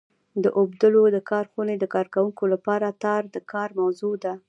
د اوبدلو د کارخونې د کارکوونکو لپاره تار د کار موضوع ده.